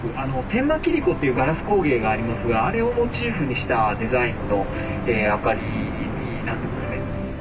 天満切子っていうガラス工芸がありますがあれをモチーフにしたデザインの明かりになってますね。